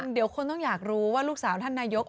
เดี๋ยวคนต้องอยากรู้ลูกสาวท่านนายกรัฐมนตรี